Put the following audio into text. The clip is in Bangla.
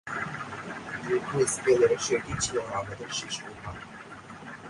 দীর্ঘ স্পেলের সেটিই ছিল রাবাদার শেষ ওভার।